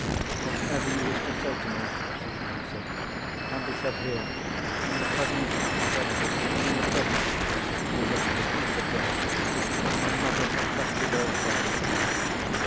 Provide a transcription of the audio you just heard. "Whatever you wish to say to me," she answered, "can be said here—in the presence of my relatives, and in the presence" (she looked at Mr. Bruff) "of my mother's trusted old friend."